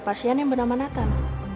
tapi ini memang anak lo yang bernama nathan